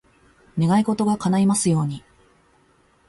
願い事が叶いますように。